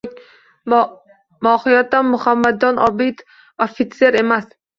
Mohiyatan Muhammadjon Obidov ofitser emas